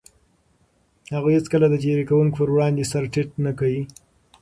هغوی هيڅکله د تېري کوونکو پر وړاندې سر ټيټ نه کړ.